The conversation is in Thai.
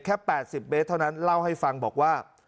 แค่๘๐เมตรเท่านั้นเล่าให้ฟังบอกว่า